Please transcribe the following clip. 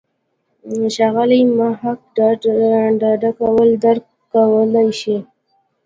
ښاغلی محق ډډه کول درک کولای شي.